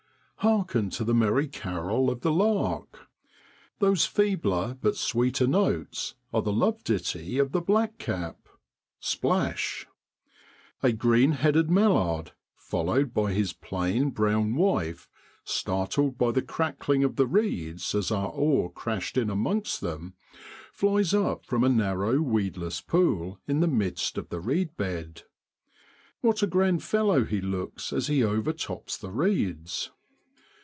Hearken to the merry carol of the lark! Those feebler but sweeter notes are the love ditty of the black cap. Splash ! A greenheaded mallard, followed by his plain, brown wife, startled by the crackling of the reeds as our oar crashed in amongst them, flies up from a narrow weedless pool in the midst of the reed bed. What a grand fellow he looks as he overtops the reeds